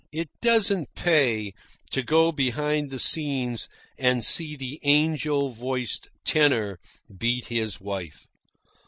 It doesn't pay to go behind the scenes and see the angel voiced tenor beat his wife.